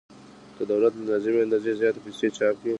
که دولت له لازمې اندازې زیاتې پیسې چاپ کړي